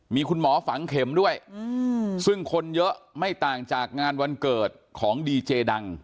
มีคุณหมอฝังเข็มด้วยซึ่งคนเยอะไม่ต่างจากงานวันเกิดของดีเจดัง